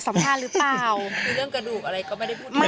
คือเรื่องกระดูกอะไรก็ไม่ได้พูดถึง